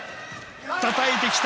たたいてきた！